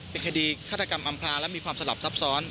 เป็นคดีฆาตกรรมอำพลาและมีความสลับซับซ้อน